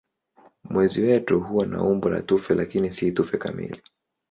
Mwezi wetu huwa na umbo la tufe lakini si tufe kamili.